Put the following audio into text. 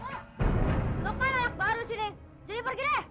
hei lo kan anak baru sih neng jadi pergi deh